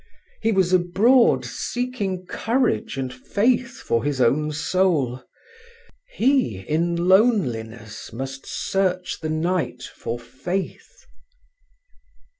He was abroad seeking courage and faith for his own soul. He, in loneliness, must search the night for faith.